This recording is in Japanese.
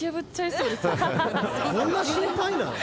どんな心配なん！？